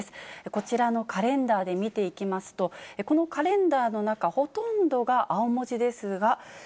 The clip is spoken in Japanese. こちらのカレンダーで見ていきますと、このカレンダーの中、ほとんどが青文字ですが。